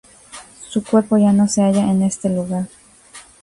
Su cuerpo ya no se halla en este lugar.